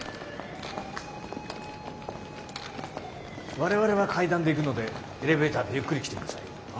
我々は階段で行くのでエレベーターでゆっくり来て下さい。